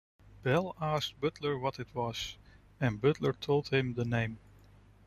Bell asked Butler what it was, and Butler told him the name.